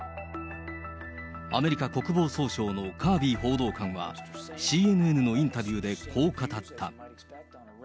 アメリカ国防総省のカービー報道官は、ＣＮＮのインタビューでこう語った。